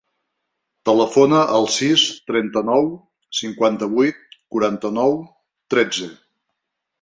Telefona al sis, trenta-nou, cinquanta-vuit, quaranta-nou, tretze.